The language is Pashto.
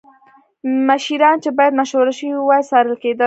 مشیران چې باید مشوره شوې وای څارل کېدل